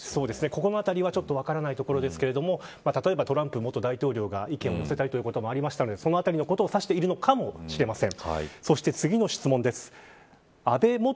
ここのあたりは、ちょっと分からないところですがたとえば、トランプ元大統領が意見を寄せられることもあったのでそのあたりのことを指しているのかもしれません。